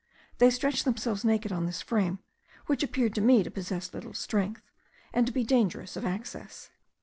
They stretch themselves naked on this frame, which appeared to me to possess little strength, and to be dangerous of access.